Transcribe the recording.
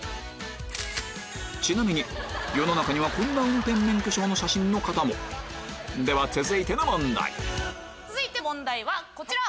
ちなみに世の中にはこんな運転免許証の写真の方もでは続いての問題問題はこちら。